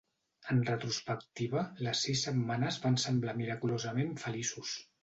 En retrospectiva, les sis setmanes van semblar miraculosament feliços.